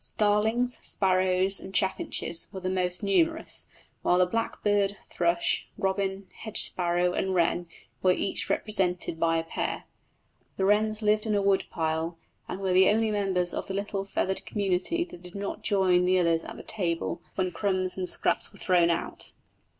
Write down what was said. Starlings, sparrows, and chaffinches were the most numerous, while the blackbird, thrush, robin, hedge sparrow and wren were each represented by a pair. The wrens lived in the wood pile, and were the only members of the little feathered community that did not join the others at table when crumbs and scraps were thrown out.